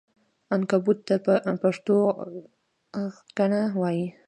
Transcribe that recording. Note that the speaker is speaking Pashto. عنکبوت ته په پښتو غڼکه وایې!